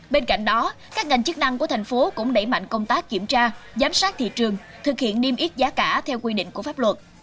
bên cạnh đó các ngành chức năng của thành phố cũng đẩy mạnh công tác kiểm tra giám sát thị trường thực hiện niêm yết giá cả theo quy định của pháp luật